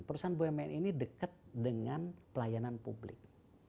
perusahaan bumn ini dekat dengan pelayanan publik